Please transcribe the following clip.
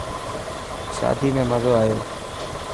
شادي ۾ مزو آيو.